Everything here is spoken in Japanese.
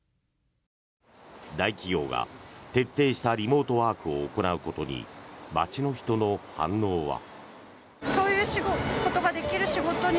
大企業が徹底したリモートワークを行うことに街の人の反応は。